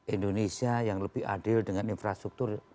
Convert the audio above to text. indonesia yang lebih adil dengan infrastruktur